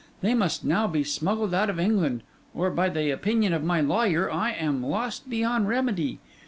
They must now be smuggled out of England; or, by the opinion of my lawyer, I am lost beyond remedy.